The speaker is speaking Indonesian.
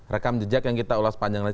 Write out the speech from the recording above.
rekam jejak yang kita ulas panjang nanti